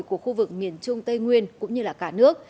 của khu vực miền trung tây nguyên cũng như cả nước